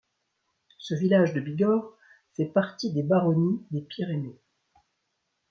Ce village de Bigorre fait partie des Baronnies des Pyrénées.